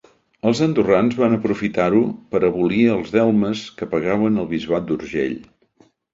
Els andorrans van aprofitar-ho per abolir els delmes que pagaven al bisbat d'Urgell.